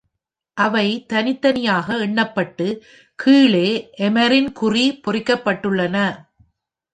அவை தனித்தனியாக எண்ணப்பட்டு, கீழே "இமரின் குறி" பொறிக்கப்பட்டுள்ளன.